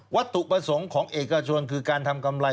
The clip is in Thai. วัตถุประสงค์ของเอกชนคือการทำกำไร